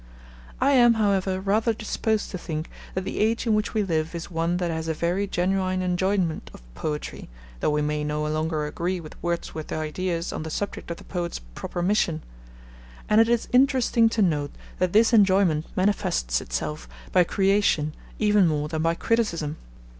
I am, however, rather disposed to think that the age in which we live is one that has a very genuine enjoyment of poetry, though we may no longer agree with Wordsworth's ideas on the subject of the poet's proper mission; and it is interesting to note that this enjoyment manifests itself by creation even more than by criticism.